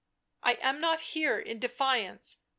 " I am not here in defiance.